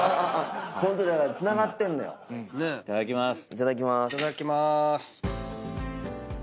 いただきます。